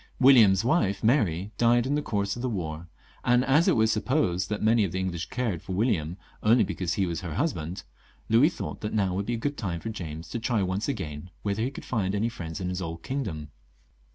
William's wife Mary died in the course of the war, and as it was sup posed that many of the English cared for William only because he was her husband, Louis thought that now would be a good time for James to try once again whether he could find no friends in his old kingdom.